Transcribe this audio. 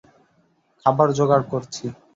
খাবার জোগাড় করছি।